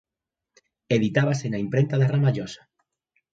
Editábase na imprenta da Ramallosa.